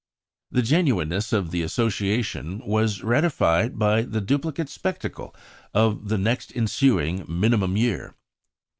The genuineness of the association was ratified by the duplicate spectacle of the next ensuing minimum year.